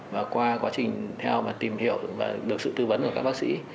và qua quá trình theo và tìm hiểu và được sự tư vấn của các bác sĩ